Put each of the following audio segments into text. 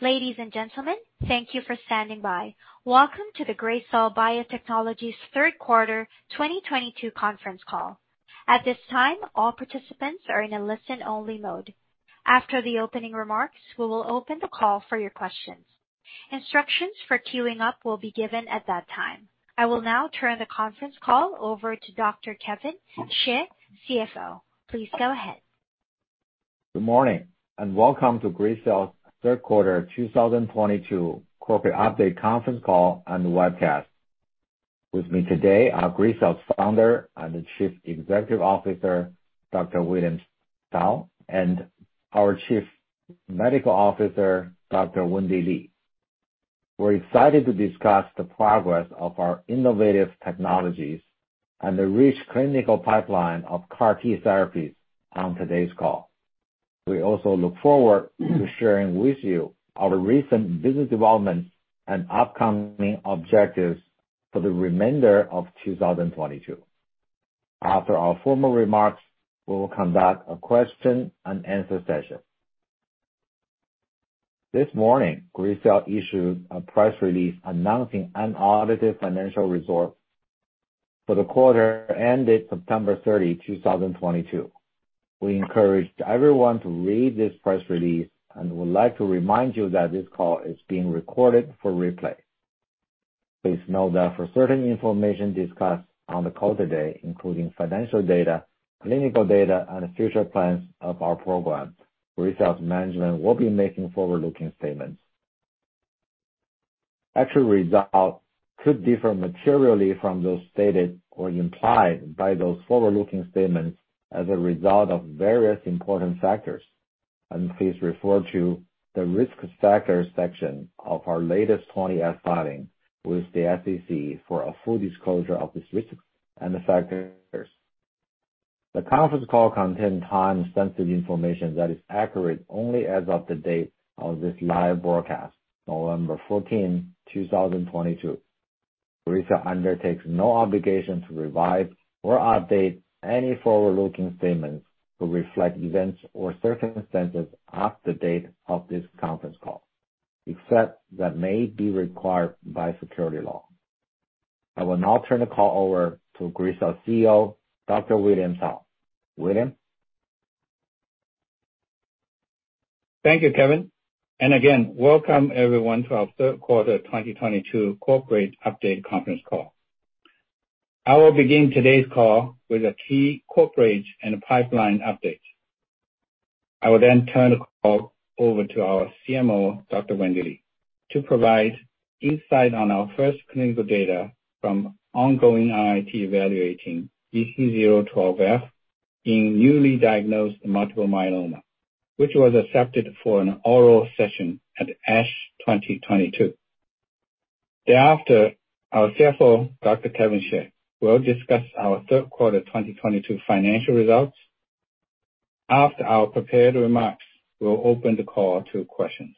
Ladies and gentlemen, thank you for standing by. Welcome to the Gracell Biotechnologies' Third Quarter 2022 Conference Call. At this time, all participants are in a listen-only mode. After the opening remarks, we will open the call for your questions. Instructions for queuing up will be given at that time. I will now turn the conference call over to Dr. Kevin Xie, CFO. Please go ahead. Good morning, and welcome to Gracell's third quarter 2022 corporate update conference call and webcast. With me today are Gracell's Founder and Chief Executive Officer, William Cao, and our Chief Medical Officer, Wendy Li. We're excited to discuss the progress of our innovative technologies and the rich clinical pipeline of CAR-T therapies on today's call. We also look forward to sharing with you our recent business development and upcoming objectives for the remainder of 2022. After our formal remarks, we will conduct a question and answer session. This morning, Gracell issued a press release announcing unaudited financial results for the quarter ended September 30, 2022. We encourage everyone to read this press release and would like to remind you that this call is being recorded for replay. Please note that for certain information discussed on the call today, including financial data, clinical data, and future plans of our programs, Gracell's management will be making forward-looking statements. Actual results could differ materially from those stated or implied by those forward-looking statements as a result of various important factors. Please refer to the Risk Factors section of our latest 20-F filing with the SEC for a full disclosure of these risks and factors. The conference call contains time-sensitive information that is accurate only as of the date of this live broadcast, November 14, 2022. Gracell undertakes no obligation to revise or update any forward-looking statements to reflect events or circumstances after the date of this conference call, except as may be required by securities law. I will now turn the call over to Gracell CEO, Dr. William Cao. William? Thank you, Kevin. Again, welcome everyone to our third quarter 2022 corporate update conference call. I will begin today's call with a key corporate and pipeline update. I will then turn the call over to our CMO, Dr. Wendy Li, to provide insight on our first clinical data from ongoing IIT evaluating GC012F in newly diagnosed multiple myeloma, which was accepted for an oral session at ASH 2022. Thereafter, our CFO, Dr. Kevin Xie, will discuss our third quarter 2022 financial results. After our prepared remarks, we'll open the call to questions.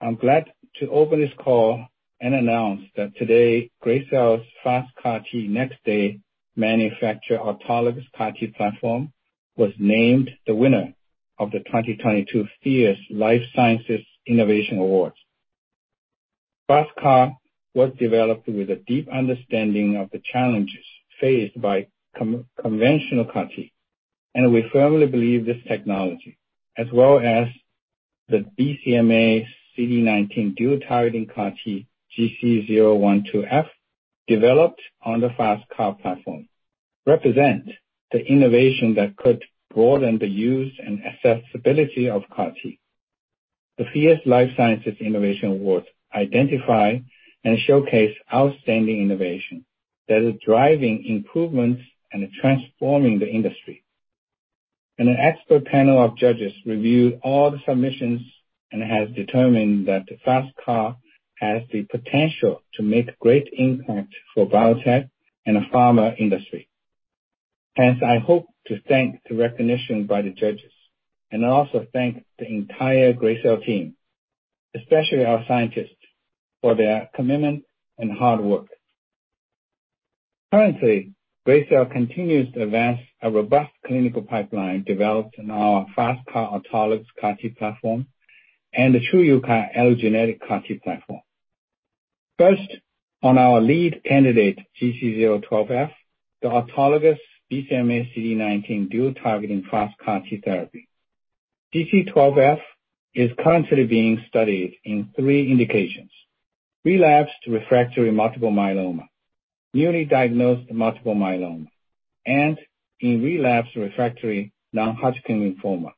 I'm glad to open this call and announce that today, Gracell's FasTCAR next day manufacture autologous CAR-T platform was named the winner of the 2022 Fierce Life Sciences Innovation Awards. FasTCAR was developed with a deep understanding of the challenges faced by conventional CAR-T, and we firmly believe this technology, as well as the BCMA/CD19 dual-targeting CAR-T, GC012F, developed on the FasTCAR platform, represent the innovation that could broaden the use and accessibility of CAR-T. The Fierce Life Sciences Innovation Awards identify and showcase outstanding innovation that is driving improvements and transforming the industry. An expert panel of judges reviewed all the submissions and has determined that the FasTCAR has the potential to make great impact for biotech and pharma industry. Hence, I hope to thank the recognition by the judges, and I also thank the entire Gracell team, especially our scientists, for their commitment and hard work. Currently, Gracell continues to advance a robust clinical pipeline developed in our FasTCAR autologous CAR-T platform and the TruUCAR allogeneic CAR-T platform. First, on our lead candidate, GC012F, the autologous BCMA/CD19 dual-targeting FasTCAR therapy. GC012F is currently being studied in three indications: relapsed/refractory multiple myeloma, newly diagnosed multiple myeloma, and relapsed/refractory non-Hodgkin lymphoma.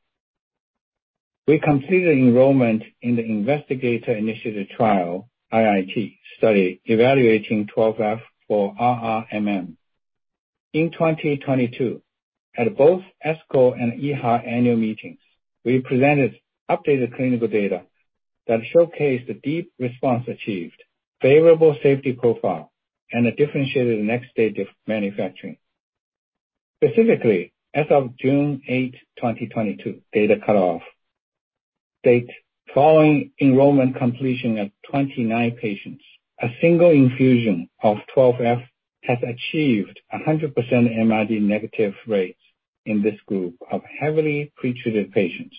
We completed enrollment in the investigator-initiated trial, IIT, study evaluating GC012F for RRMM. In 2022, at both ASCO and EHA annual meetings, we presented updated clinical data that showcased the deep response achieved, favorable safety profile, and a differentiated next-day stage of manufacturing. Specifically, as of June 8, 2022 data cutoff date, following enrollment completion of 29 patients, a single infusion of GC012F has achieved 100% MRD-negative rates. In this group of heavily pre-treated patients,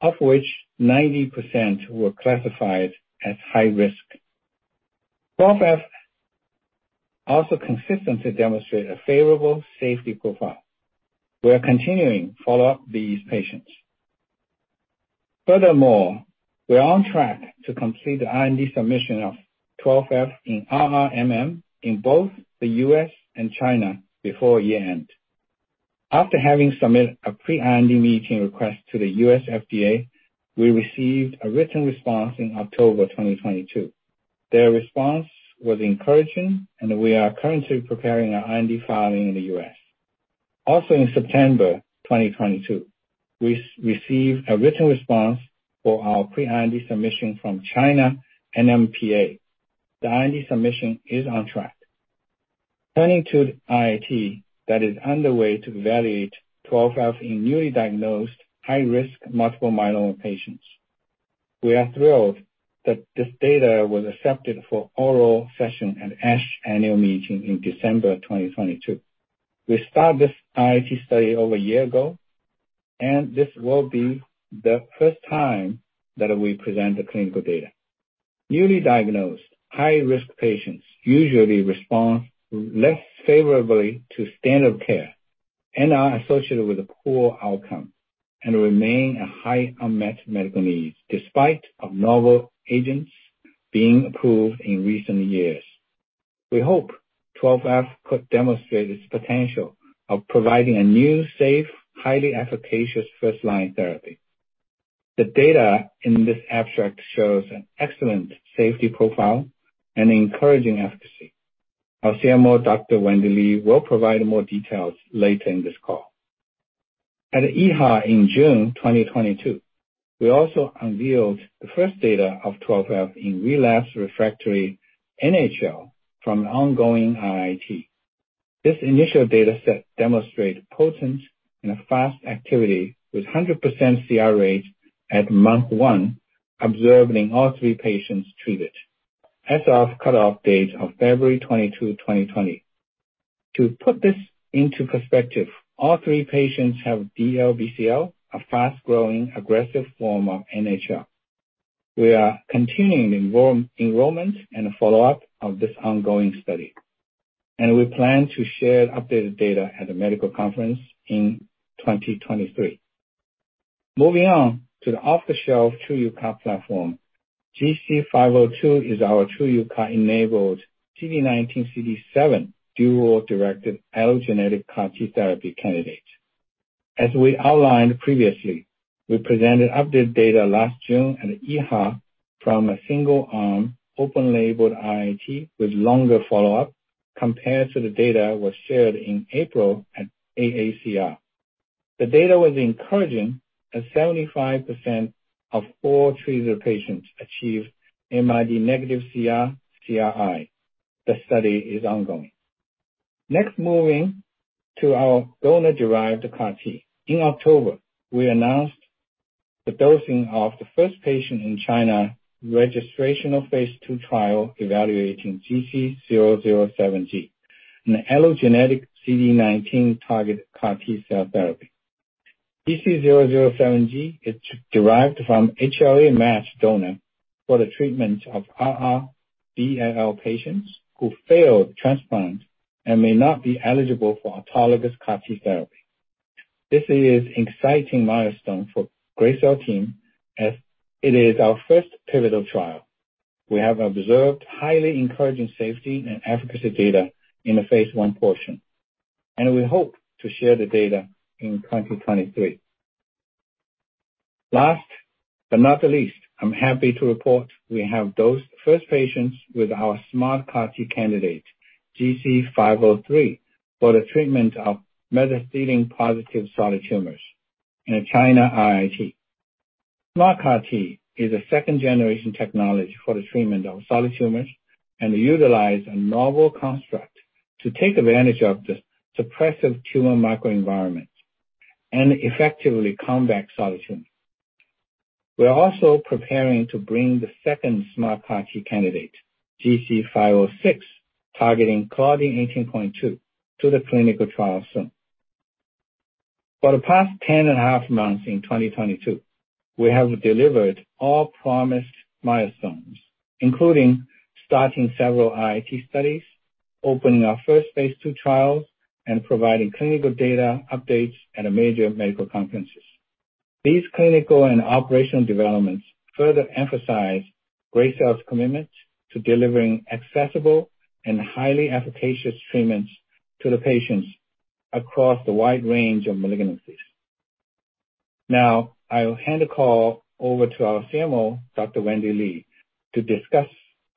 of which 90% were classified as high risk. GC012F also consistently demonstrate a favorable safety profile. We are continuing follow-up these patients. Furthermore, we are on track to complete the IND submission of GC012F in RRMM in both the U.S. and China before year-end. After having submitted a pre-IND meeting request to the U.S. FDA, we received a written response in October 2022. Their response was encouraging, and we are currently preparing our IND filing in the U.S. Also in September 2022, we received a written response for our pre-IND submission from China NMPA. The IND submission is on track. Turning to IIT that is underway to validate GC012F in newly diagnosed high-risk multiple myeloma patients. We are thrilled that this data was accepted for oral session at ASH annual meeting in December 2022. We started this IIT study over a year ago, and this will be the first time that we present the clinical data. Newly diagnosed high-risk patients usually respond less favorably to standard care and are associated with a poor outcome, and remain a high unmet medical need, despite of novel agents being approved in recent years. We hope GC012F could demonstrate its potential of providing a new, safe, highly efficacious first-line therapy. The data in this abstract shows an excellent safety profile and encouraging efficacy. Our CMO, Dr. Wendy Li, will provide more details later in this call. At EHA in June 2022, we also unveiled the first data of GC012F in relapsed refractory NHL from the ongoing IIT. This initial data set demonstrate potent and fast activity with 100% CR rate at month one, observed in all three patients treated as of cutoff date of February 22, 2020. To put this into perspective, all three patients have DLBCL, a fast-growing aggressive form of NHL. We are continuing enrollment and follow-up of this ongoing study, and we plan to share updated data at a medical conference in 2023. Moving on to the off-the-shelf TruUCAR platform. GC502 is our TruUCAR-enabled CD19/CD7 dual-directed allogeneic CAR-T therapy candidate. As we outlined previously, we presented updated data last June at EHA from a single-arm open label IIT with longer follow-up compared to the data was shared in April at AACR. The data was encouraging, as 75% of all treated patients achieved MRD-negative CR/CRi. The study is ongoing. Next, moving to our donor-derived CAR-T. In October, we announced the dosing of the first patient in China registrational phase II trial evaluating GC007G, an allogeneic CD19-targeted CAR-T cell therapy. GC007G is derived from HLA-matched donor for the treatment of r/r B-ALL patients who failed transplant and may not be eligible for autologous CAR-T therapy. This is exciting milestone for Gracell team as it is our first pivotal trial. We have observed highly encouraging safety and efficacy data in the phase I portion, and we hope to share the data in 2023. Last but not the least, I'm happy to report we have dosed first patients with our SMART CAR-T candidate, GC503, for the treatment of mesothelin-positive solid tumors in a China IIT. SMART CAR-T is a second-generation technology for the treatment of solid tumors and utilize a novel construct to take advantage of the suppressive tumor microenvironment and effectively combat solid tumors. We are also preparing to bring the second SMART CAR-T candidate, GC506, targeting Claudin 18.2, to the clinical trial soon. For the past ten and a half months in 2022, we have delivered all promised milestones, including starting several IIT studies, opening our first phase II trials, and providing clinical data updates at major medical conferences. These clinical and operational developments further emphasize Gracell's commitment to delivering accessible and highly efficacious treatments to the patients across the wide range of malignancies. Now, I'll hand the call over to our CMO, Dr. Wendy Li, to discuss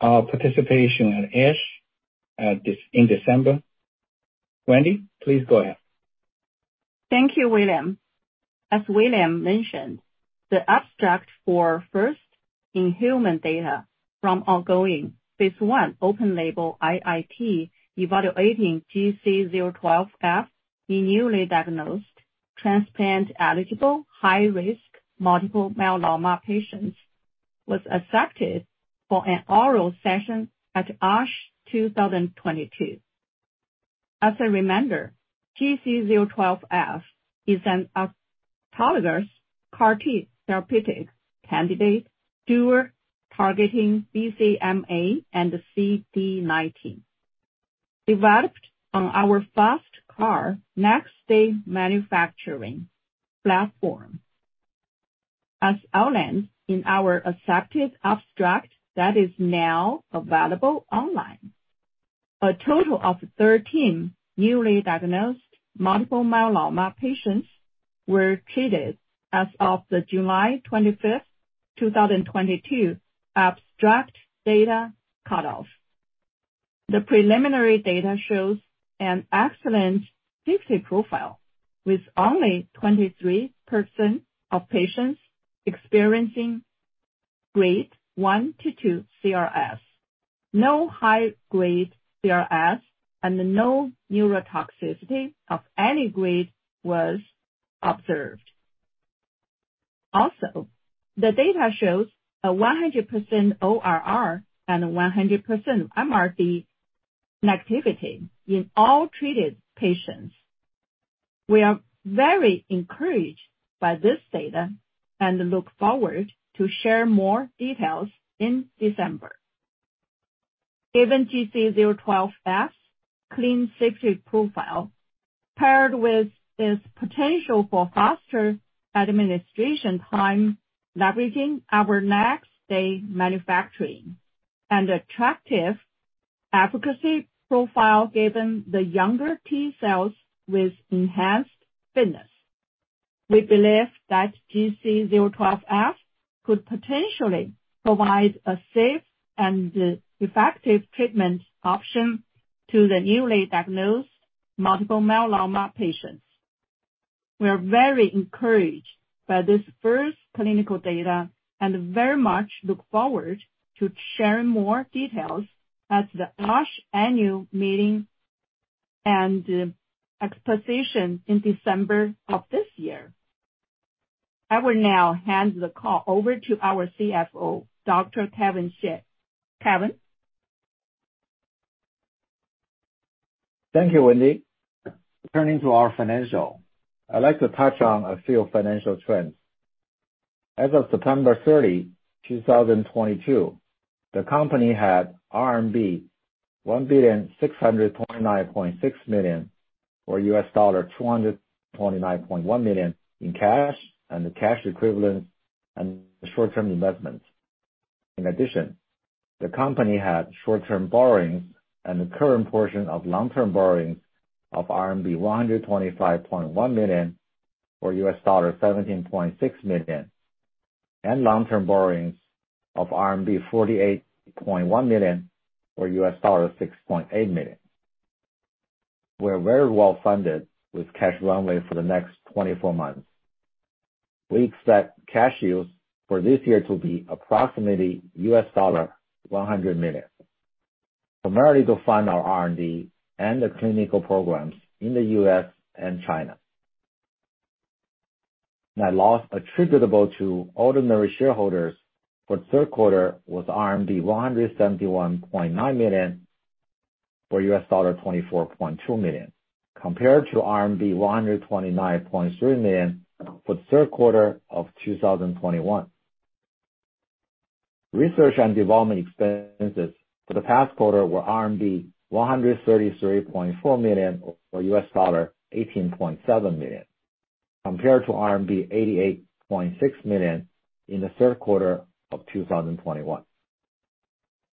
our participation at ASH in December. Wendy, please go ahead. Thank you, William. As William mentioned, the abstract for first-in-human data from ongoing phase I open label IIT evaluating GC012F in newly diagnosed transplant-eligible high-risk multiple myeloma patients was accepted for an oral session at ASH 2022. As a reminder, GC012F is an autologous CAR-T therapeutic candidate dual targeting BCMA and CD19, developed on our FasTCAR next-day manufacturing platform. As outlined in our accepted abstract that is now available online, a total of 13 newly diagnosed multiple myeloma patients were treated as of the July 25, 2022 abstract data cutoff. The preliminary data shows an excellent safety profile, with only 23% of patients experiencing grade 1-2 CRS, no high grade CRS, and no neurotoxicity of any grade was observed. The data shows a 100% ORR and a 100% MRD negativity in all treated patients. We are very encouraged by this data and look forward to share more details in December. Given GC012F clean safety profile, paired with its potential for faster administration time, leveraging our next day manufacturing and attractive efficacy profile given the younger T-cells with enhanced fitness, we believe that GC012F could potentially provide a safe and effective treatment option to the newly diagnosed multiple myeloma patients. We are very encouraged by this first clinical data and very much look forward to sharing more details at the ASH annual meeting and exposition in December of this year. I will now hand the call over to our CFO, Dr. Kevin Xie. Kevin? Thank you, Wendy. Turning to our financials, I'd like to touch on a few financial trends. As of September 30, 2022, the company had RMB 1,629.6 million, or $229.1 million in cash and cash equivalents and short-term investments. In addition, the company had short-term borrowings and the current portion of long-term borrowings of RMB 125.1 million or $17.6 million, and long-term borrowings of RMB 48.1 million, or $6.8 million. We are very well funded with cash runway for the next 24 months. We expect cash use for this year to be approximately $100 million, primarily to fund our R&D and the clinical programs in the U.S. and China. Net loss attributable to ordinary shareholders for the third quarter was RMB 171.9 million or $24.2 million, compared to RMB 129.3 million for the third quarter of 2021. Research and development expenses for the past quarter were RMB 133.4 million or $18.7 million, compared to RMB 88.6 million in the third quarter of 2021.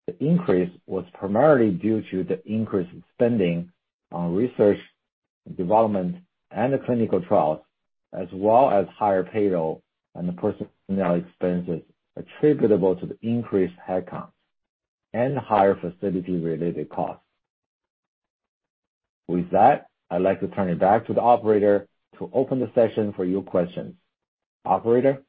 The increase was primarily due to the increase in spending on research and development and the clinical trials, as well as higher payroll and personnel expenses attributable to the increased headcount and higher facility related costs. With that, I'd like to turn it back to the operator to open the session for your questions. Operator?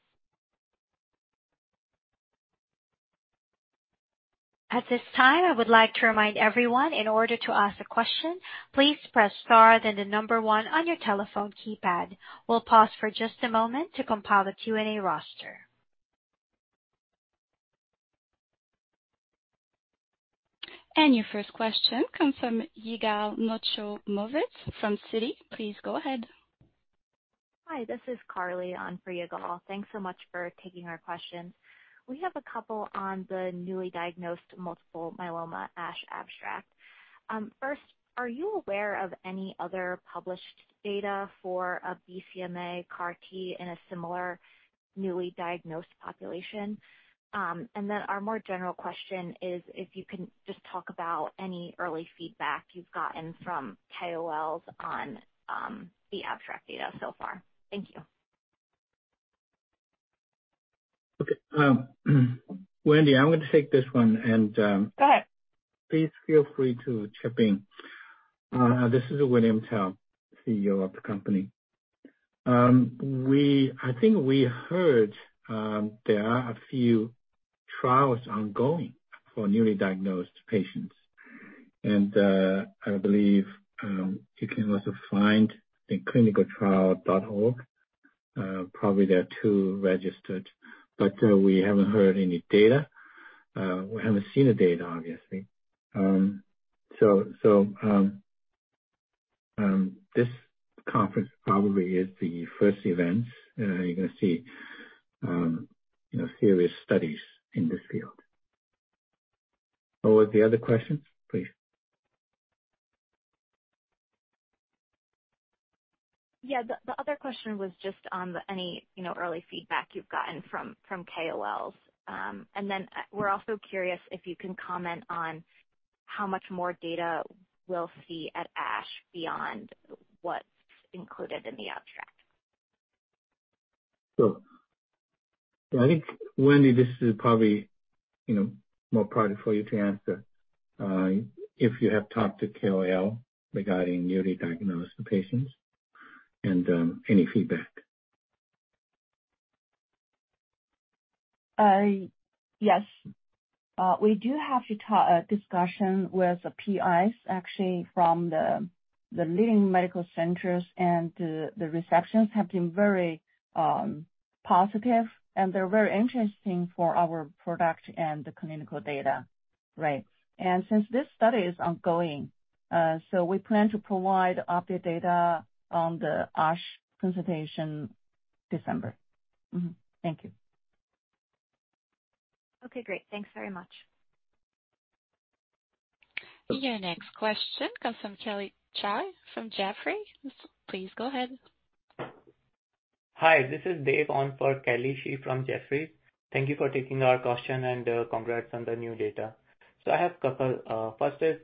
At this time, I would like to remind everyone, in order to ask a question, please press star then the number one on your telephone keypad. We'll pause for just a moment to compile the Q&A roster. Your first question comes from Yigal Nochomovitz from Citi. Please go ahead. Hi, this is Carly on for Yigal. Thanks so much for taking our questions. We have a couple on the newly diagnosed multiple myeloma ASH abstract. First, are you aware of any other published data for a BCMA CAR-T in a similar newly diagnosed population? Our more general question is if you can just talk about any early feedback you've gotten from KOLs on the abstract data so far. Thank you. Okay. Wendy, I'm going to take this one, and, Go ahead. Please feel free to chip in. This is William Cao, CEO of the company. I think we heard there are a few trials ongoing for newly diagnosed patients. I believe you can also find in ClinicalTrials.gov, probably there are two registered. But we haven't heard any data. We haven't seen the data, obviously. So this conference probably is the first event you're gonna see, you know, serious studies in this field. What was the other question? Please. Yeah. The other question was just on any, you know, early feedback you've gotten from KOLs. We're also curious if you can comment on how much more data we'll see at ASH beyond what's included in the abstract. I think, Wendy, this is probably, you know, more probably for you to answer if you have talked to KOL regarding newly diagnosed patients and any feedback. Yes. We do have a discussion with the PIs, actually from the leading medical centers, and the reactions have been very positive, and they're very interested in our product and the clinical data. Right. Since this study is ongoing, we plan to provide updated data on the ASH presentation December. Thank you. Okay, great. Thanks very much. Your next question comes from Kelly Shi from Jefferies. Please go ahead. Hi, this is Dave on for Kelly Shi from Jefferies. Thank you for taking our question, and, congrats on the new data. I have couple. First is,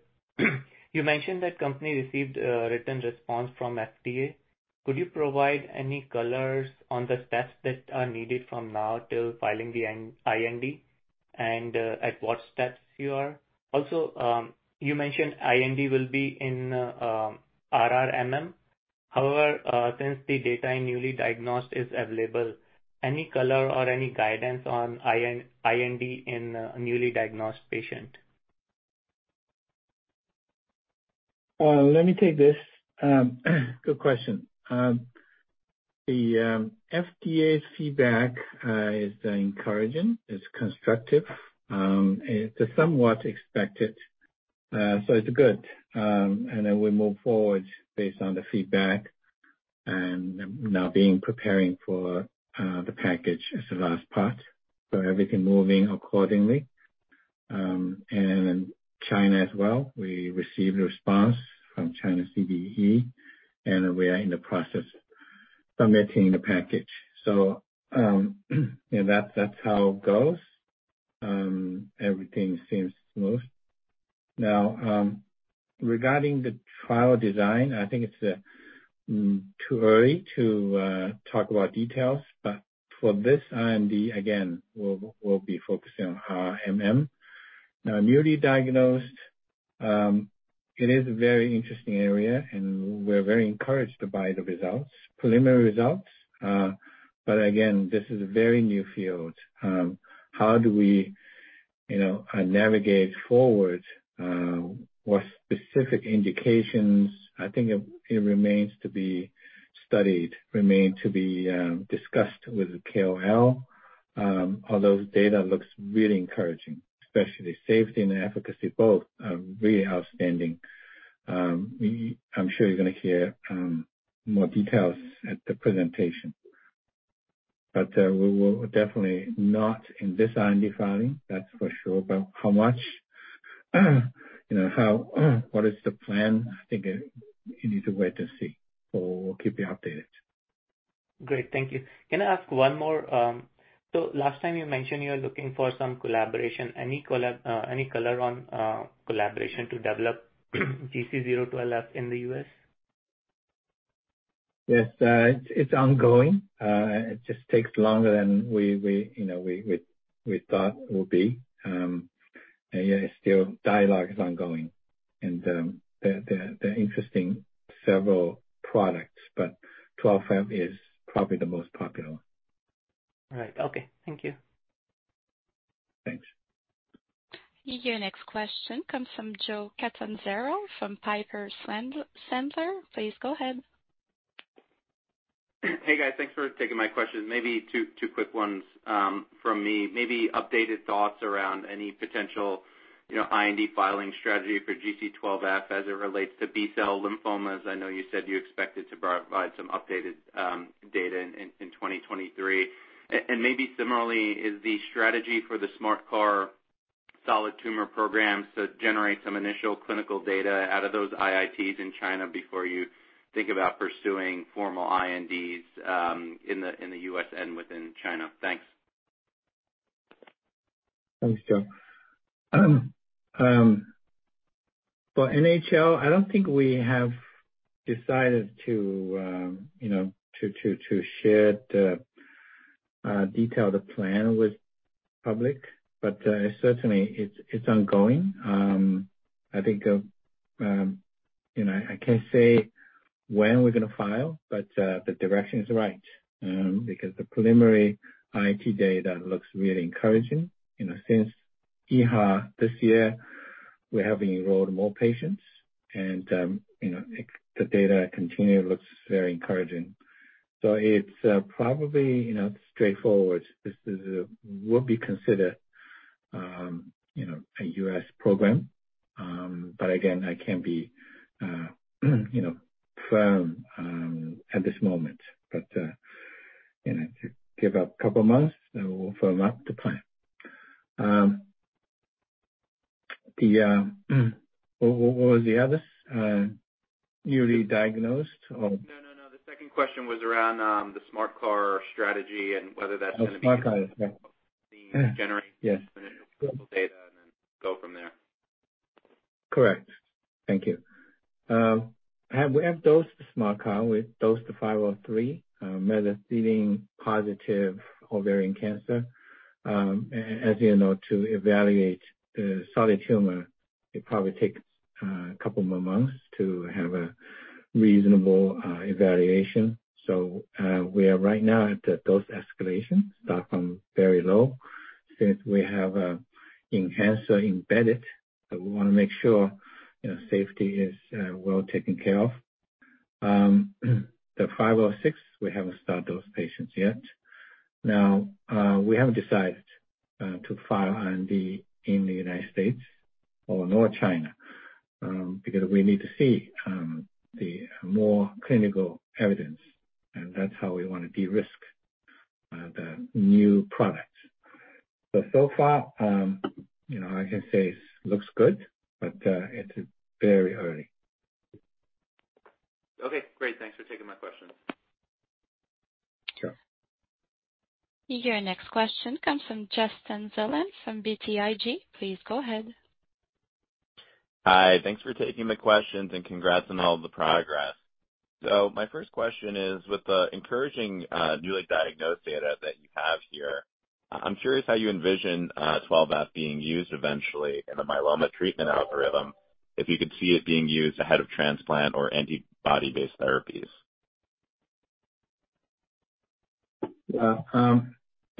you mentioned that company received a written response from FDA. Could you provide any colors on the steps that are needed from now 'til filing the IND, and, at what steps you are? Also, you mentioned IND will be in, RRMM. However, since the data in newly diagnosed is available, any color or any guidance on IND in a newly diagnosed patient? Let me take this. Good question. The FDA's feedback is encouraging, it's constructive, it's somewhat expected. It's good. We move forward based on the feedback and now being preparing for the package as the last part. Everything moving accordingly. China as well. We received a response from China CDE, and we are in the process submitting the package. Yeah, that's how it goes. Everything seems smooth. Now, regarding the trial design, I think it's too early to talk about details. For this IND, again, we'll be focusing on RMM. Newly diagnosed, it is a very interesting area, and we're very encouraged by the results, preliminary results. Again, this is a very new field. How do we, you know, navigate forward, what specific indications? I think it remains to be studied and discussed with the KOL, although data looks really encouraging, especially safety and efficacy both are really outstanding. I'm sure you're gonna hear more details at the presentation. We will definitely not in this IND filing, that's for sure. How much, you know, how, what is the plan? I think you need to wait to see. We'll keep you updated. Great. Thank you. Can I ask one more? Last time you mentioned you are looking for some collaboration. Any color on collaboration to develop GC012F in the U.S.? Yes. It's ongoing. It just takes longer than we, you know, thought would be. Yeah, it's still dialogue is ongoing. There are interesting several products, but GC012F is probably the most popular one. All right. Okay. Thank you. Thanks. Your next question comes from Joe Catanzaro from Piper Sandler. Please go ahead. Hey, guys. Thanks for taking my question. Maybe two quick ones from me. Maybe updated thoughts around any potential, you know, IND filing strategy for GC012F as it relates to B-cell lymphomas. I know you said you expected to provide some updated data in 2023. And maybe similarly, is the strategy for the SMART CAR-T solid tumor programs to generate some initial clinical data out of those IITs in China before you think about pursuing formal INDs in the U.S. and within China? Thanks. Thanks, Joe. For NHL, I don't think we have decided to you know, to share the detailed plan with public, but certainly it's ongoing. I think you know, I can't say when we're gonna file, but the direction is right because the preliminary IIT data looks really encouraging. You know, since EHA this year, we have enrolled more patients and you know, the data continue looks very encouraging. So it's probably you know, straightforward. This will be considered you know, a U.S. program. But again, I can't be you know, firm at this moment. But you know, give a couple of months and we'll firm up the plan. The what was the other? Newly diagnosed or- No, no. The second question was around the SMART CAR-T strategy and whether that's gonna be- Oh, SMART CAR-T, yeah. Generate- Yes. Clinical data and then go from there. Correct. Thank you. We have dosed SMART CAR-T with dose 503 in mesothelin-positive ovarian cancer. As you know, to evaluate solid tumor, it probably takes a couple more months to have a reasonable evaluation. We are right now at the dose escalation, starting from very low. Since we have a enhancer embedded, we wanna make sure, you know, safety is well taken care of. The 506, we haven't started those patients yet. We haven't decided to file IND in the United States or not in China, because we need to see more clinical evidence, and that's how we wanna de-risk the new products. So far, you know, I can say it looks good, but it's very early. Okay, great. Thanks for taking my questions. Sure. Your next question comes from Justin Zelin from BTIG. Please go ahead. Hi. Thanks for taking the questions and congrats on all the progress. My first question is, with the encouraging newly diagnosed data that you have here, I'm curious how you envision GC012F being used eventually in a myeloma treatment algorithm, if you could see it being used ahead of transplant or antibody-based therapies.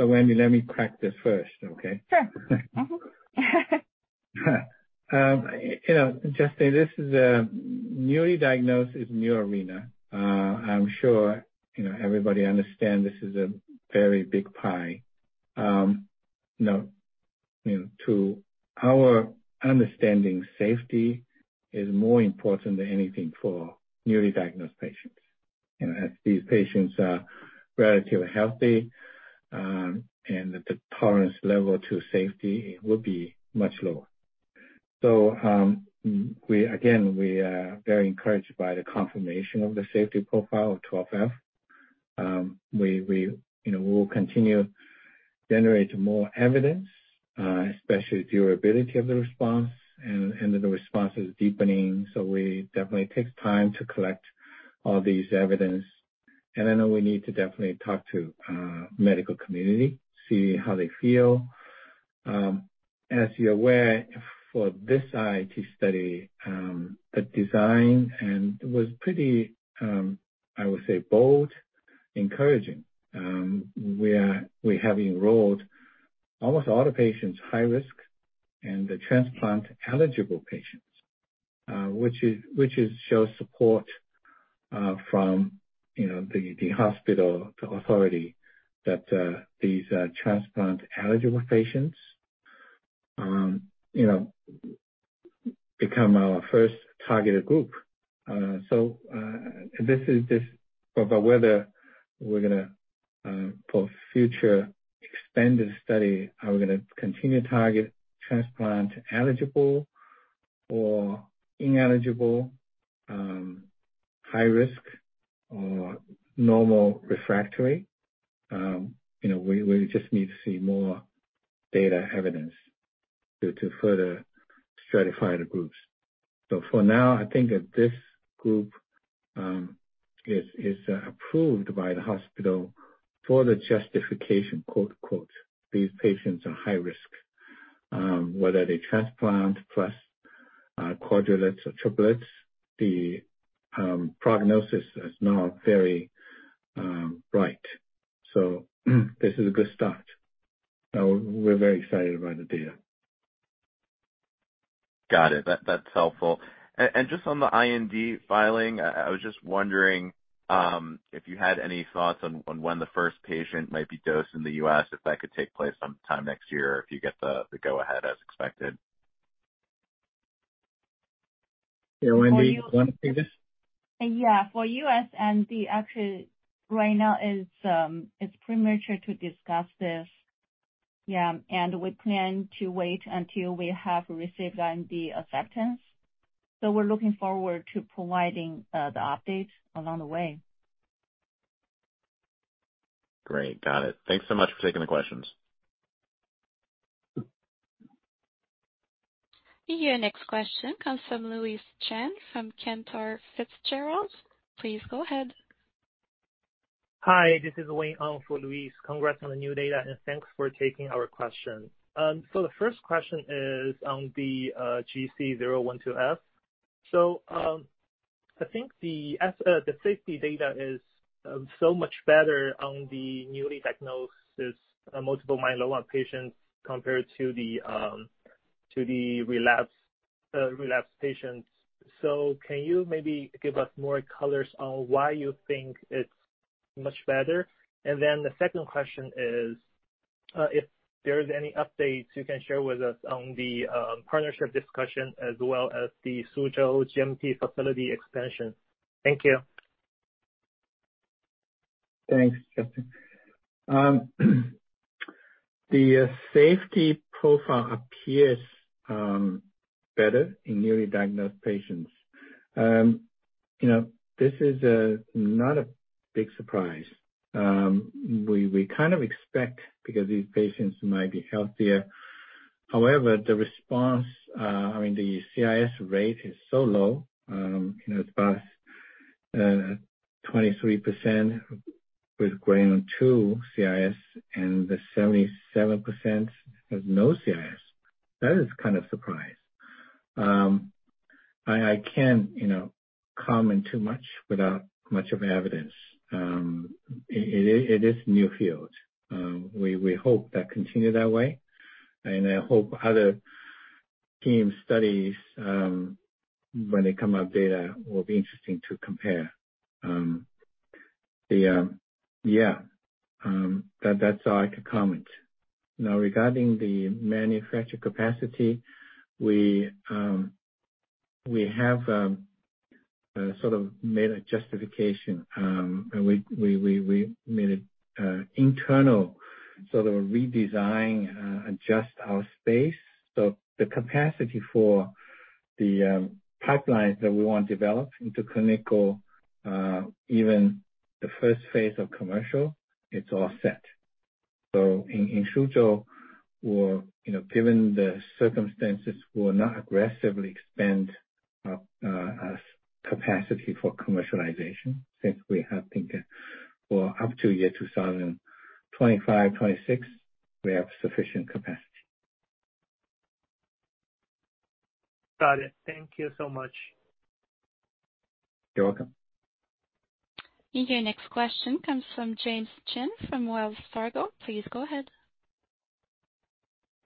Wendy, let me crack this first, okay? Sure. Mm-hmm. You know, Justin, this is a newly diagnosed is new arena. I'm sure, you know, everybody understand this is a very big pie. You know, to our understanding, safety is more important than anything for newly diagnosed patients. You know, as these patients are relatively healthy, and the tolerance level to safety would be much lower. We are very encouraged by the confirmation of the safety profile of GC012F. You know, we will continue generate more evidence, especially durability of the response and the response is deepening. We definitely take time to collect all these evidence. I know we need to definitely talk to medical community, see how they feel. As you're aware, for this IIT study, the design and it was pretty, I would say, bold, encouraging. We have enrolled almost all the patients, high-risk and transplant-eligible patients, which shows support from, you know, the hospital, the authority that these transplant-eligible patients, you know, become our first targeted group. This is just but whether we're gonna, for future extended study, are we gonna continue target transplant-eligible or ineligible, high-risk or non-refractory. You know, we just need to see more data evidence to further stratify the groups. For now, I think that this group is approved by the hospital for the justification quote quote. These patients are high-risk, whether they transplant plus quadruplets or triplets. The prognosis is not very bright. This is a good start. We're very excited about the data. Got it. That's helpful. Just on the IND filing, I was just wondering if you had any thoughts on when the first patient might be dosed in the U.S., if that could take place sometime next year or if you get the go ahead as expected. Yeah. Wendy, you wanna take this? Yeah. For the U.S. and actually right now it's premature to discuss this. Yeah. We plan to wait until we have received IND acceptance. We're looking forward to providing the update along the way. Great. Got it. Thanks so much for taking the questions. Your next question comes from Louise Chen from Cantor Fitzgerald. Please go ahead. Hi, this is Wayne on for Louise Chen. Congrats on the new data, and thanks for taking our question. The first question is on the GC012F. I think the safety data is so much better on the newly diagnosed multiple myeloma patients compared to the relapsed patients. Can you maybe give us more color on why you think it's much better? The second question is if there's any updates you can share with us on the partnership discussion as well as the Suzhou GMP facility expansion. Thank you. Thanks, Justin. The safety profile appears better in newly diagnosed patients. You know, this is not a big surprise. We kind of expect because these patients might be healthier. However, the response, I mean, the CRS rate is so low, you know, it's about 23% with grade 1-2 CRS and the 77% has no CRS. That is kind of surprise. I can't, you know, comment too much without much evidence. It is new field. We hope that continue that way, and I hope other team studies, when they come up with data, will be interesting to compare. Yeah, that's all I can comment. Now, regarding the manufacturing capacity, we have sort of made a justification. We made an internal sort of redesign, adjust our space. The capacity for the pipelines that we want to develop into clinical, even the first phase of commercial, it's all set. In Suzhou we're, you know, given the circumstances, we'll not aggressively expand our capacity for commercialization, since we think for up to year 2025, 2026, we have sufficient capacity. Got it. Thank you so much. You're welcome. Your next question comes from James Shin from Wells Fargo. Please go ahead.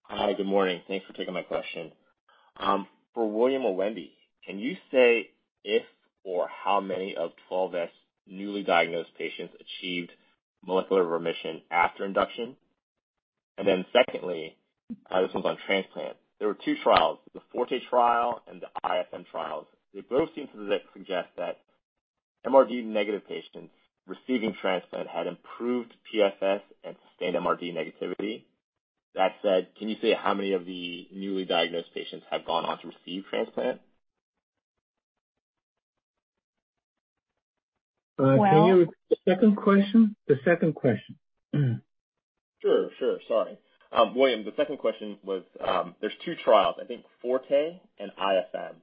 Hi. Good morning. Thanks for taking my question. For William or Wendy, can you say if or how many of 12S newly diagnosed patients achieved molecular remission after induction? Secondly, this one's on transplant. There were two trials, the FORTE trial and the IFM trials. They both seem to suggest that MRD negative patients receiving transplant had improved PFS and sustained MRD negativity. That said, can you say how many of the newly diagnosed patients have gone on to receive transplant? Can you Well- The second question? Sure, sure. Sorry. William, the second question was, there's two trials, I think FORTE and IFM.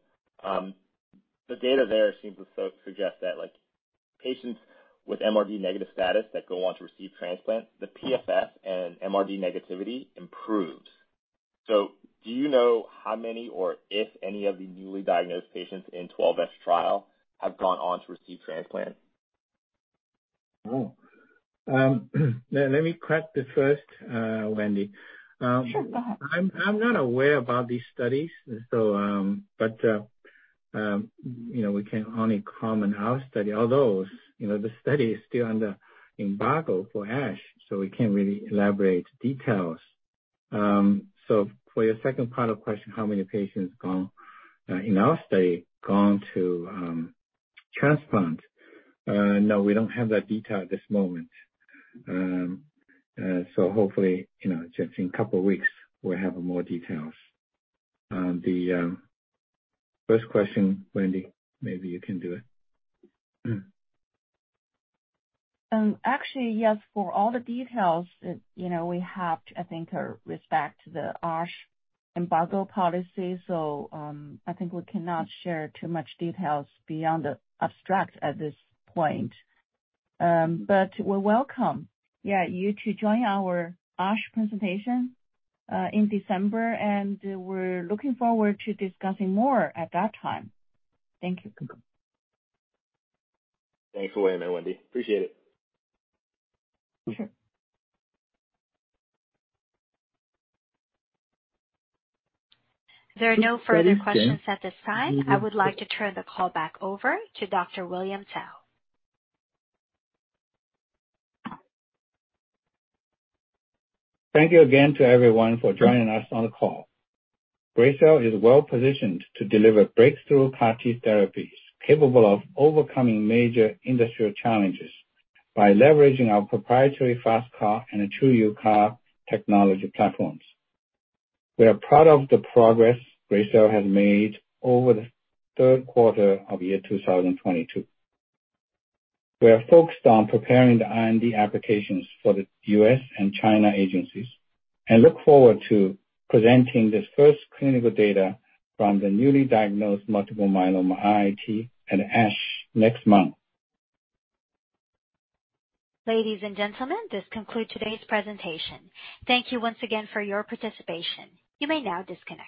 The data there seems to suggest that like patients with MRD negative status that go on to receive transplant, the PFS and MRD negativity improved. Do you know how many or if any of the newly diagnosed patients in 12S trial have gone on to receive transplant? Let me take the first, Wendy. Sure, go ahead. I'm not aware about these studies, so, but, you know, we can only comment our study. Although, you know, the study is still under embargo for ASH, so we can't really elaborate details. For your second part of question, how many patients gone in our study gone to transplant? No, we don't have that detail at this moment. Hopefully, you know, just in couple weeks, we'll have more details. The first question, Wendy, maybe you can do it. Actually, yes, for all the details that, you know, we have to, I think, respect the ASH embargo policy, so, I think we cannot share too much details beyond the abstract at this point. We welcome, yeah, you to join our ASH presentation in December, and we're looking forward to discussing more at that time. Thank you. Thanks, William and Wendy. Appreciate it. Sure. There are no further questions at this time. I would like to turn the call back over to Dr. William Cao. Thank you again to everyone for joining us on the call. Gracell is well-positioned to deliver breakthrough CAR-T therapies capable of overcoming major industrial challenges by leveraging our proprietary FasTCAR and TruUCAR technology platforms. We are proud of the progress Gracell has made over the third quarter of 2022. We are focused on preparing the IND applications for the U.S. and China agencies and look forward to presenting this first clinical data from the newly diagnosed multiple myeloma IIT at ASH next month. Ladies and gentlemen, this concludes today's presentation. Thank you once again for your participation. You may now disconnect.